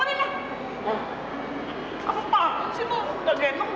apa panggung sih lu